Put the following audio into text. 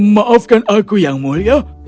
maafkan aku yang mulia